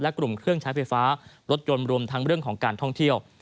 และกลุ่มเครื่องใช้ไฟฟ้ารถยนต์รวมทั้งเรื่องของการท่องเที่ยว